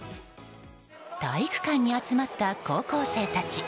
体育館に集まった高校生たち。